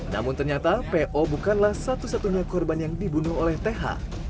namun ternyata po bukanlah satu satunya korban yang dibunuh oleh th